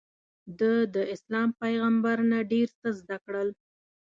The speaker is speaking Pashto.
ده داسلام پیغمبر نه ډېر څه زده کړل.